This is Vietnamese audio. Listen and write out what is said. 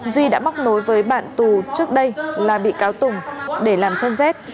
duy đã móc nối với bạn tù trước đây là bị cáo tùng để làm chân rét